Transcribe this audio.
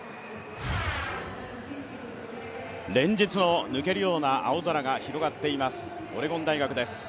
連日の抜けるような青空が広がっています、オレゴン大学です。